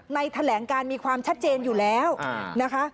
แถลงการมีความชัดเจนอยู่แล้วนะคะ